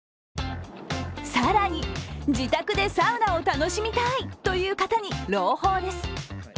更に、自宅でサウナを楽しみたいという方に朗報です。